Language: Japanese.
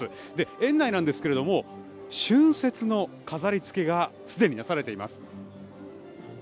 園内なんですが春節の飾り付けがすでになされています。